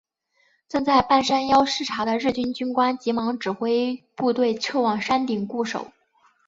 正在半山腰视察的日军军官急忙指挥部队撤往山顶固守。